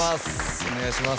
お願いします